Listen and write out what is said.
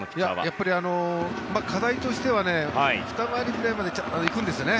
やっぱり課題としてはふた回りぐらいまで行くんですよね。